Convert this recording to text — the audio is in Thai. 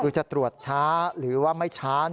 คือจะตรวจช้าหรือว่าไม่ช้า